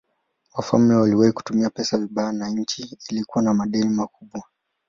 Wafalme waliwahi kutumia pesa vibaya na nchi ilikuwa na madeni makubwa.